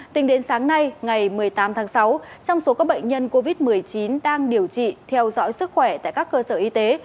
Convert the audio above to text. tính đến sáng nay ngày một mươi tám tháng sáu trong số các bệnh nhân covid một mươi chín đang điều trị theo dõi sức khỏe tại các cơ sở y tế